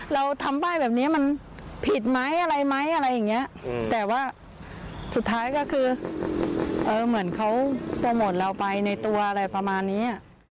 เราทำป้ายแบบนี้มันผิดไหมอะไรไหมอะไรอย่างเงี้ยแต่ว่าสุดท้ายก็คือเหมือนเขาโปรโมทเราไปในตัวอะไรประมาณนี้